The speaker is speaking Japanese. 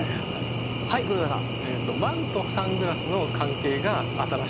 はい黒岩さん。